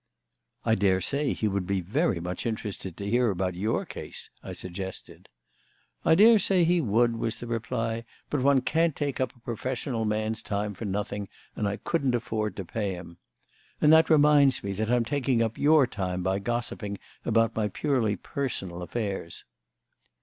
"I daresay he would be very much interested to hear about your case," I suggested. "I daresay he would," was the reply; "but one can't take up a professional man's time for nothing, and I couldn't afford to pay him. And that reminds me that I'm taking up your time by gossiping about my purely personal affairs."